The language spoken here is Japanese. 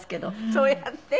そうやって？